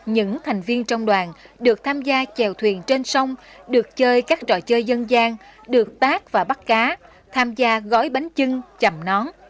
những thành viên trong đoàn được tham gia trèo thuyền trên sông được chơi các trò chơi dân gian được bác và bắt cá tham gia gói bánh trưng chầm nón